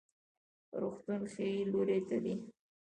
روغتون ښي لوري ته دی